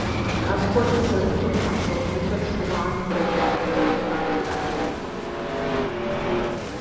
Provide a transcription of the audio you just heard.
Апхуэдэу зэрыхъуу тхьэмщӀыгъуныбэр шыуаным бэлагъкӀэ къыхахри Ӏэнэм тралъхьэ.